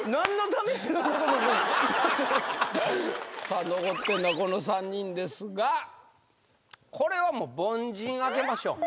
さあ残ってるのはこの三人ですがこれはもう凡人開けましょう。